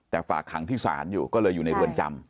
แต่ฝากขังที่ศาลอยู่ก็เลยอยู่ในเรือนจำ